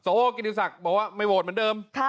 กิติศักดิ์บอกว่าไม่โหวตเหมือนเดิม